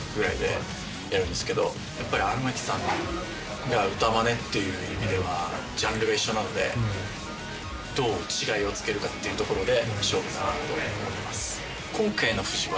荒牧さんが歌まねっていう意味ではジャンルが一緒なのでどう違いをつけるかっていうところで勝負だなと思ってます。